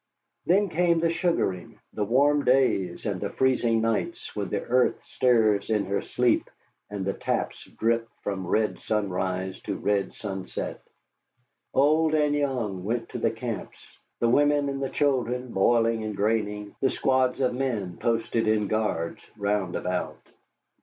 Then came the sugaring, the warm days and the freezing nights when the earth stirs in her sleep and the taps drip from red sunrise to red sunset. Old and young went to the camps, the women and children boiling and graining, the squads of men posted in guards round about.